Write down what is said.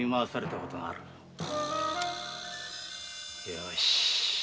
よし。